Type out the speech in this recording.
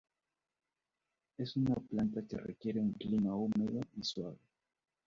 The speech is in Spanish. Es una planta que requiere un clima húmedo y suave.